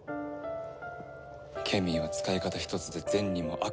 ケミーは使い方ひとつで善にも悪にもなる。